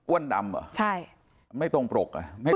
อ้วนดำเหรอไม่ตรงปก